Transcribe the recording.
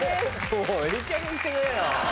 もういいかげんにしてくれよ！